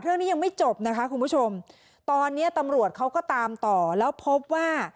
เรื่องนี้ยังไม่จบนะคะคุณผู้ชมตอนเนี้ยตำรวจเขาก็ตามต่อแล้วพบว่า